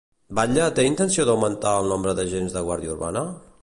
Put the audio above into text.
Batlle té intenció d'augmentar el nombre d'agents de Guàrdia Urbana?